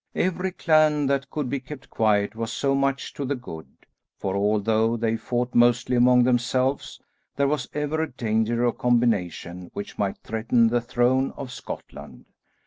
Every clan that could be kept quiet was so much to the good, for although they fought mostly among themselves, there was ever a danger of a combination which might threaten the throne of Scotland.